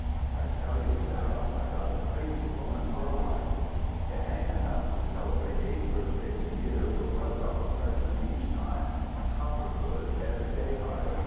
"I tell you, Sarah, I got a crazy woman for a wife! It ain't enough we celebrate eight birthdays a year with one dollar presents each time and copper goods every day higher.